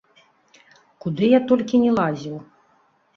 Куды я толькі не лазіў.